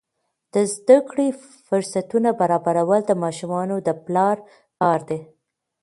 د زده کړې فرصتونه برابرول د ماشومانو د پلار کار دی.